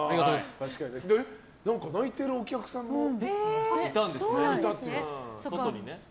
泣いてるお客さんもいたという。